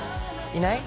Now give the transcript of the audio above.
いない？